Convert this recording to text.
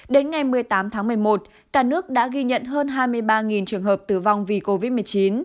đến ngày một mươi tám tháng một mươi một cả nước đã ghi nhận hơn hai mươi ba trường hợp tử vong vì covid một mươi chín